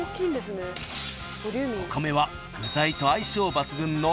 ［お米は具材と相性抜群の］